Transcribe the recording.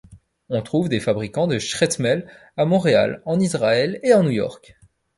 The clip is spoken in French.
On trouve des fabricants de schtreimels à Montréal, en Israël et à New York.